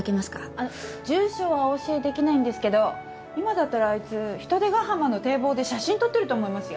あの住所はお教えできないんですけど今だったらあいつ海星ヶ浜の堤防で写真撮ってると思いますよ。